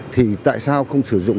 thì tại sao không sử dụng